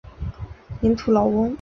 盐土老翁。